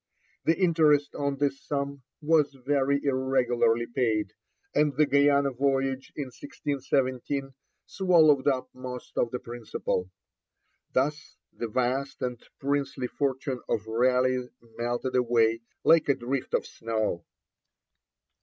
The interest on this sum was very irregularly paid, and the Guiana voyage in 1617 swallowed up most of the principal. Thus the vast and princely fortune of Raleigh melted away like a drift of snow.